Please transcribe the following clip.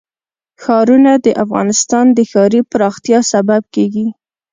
ښارونه د افغانستان د ښاري پراختیا سبب کېږي.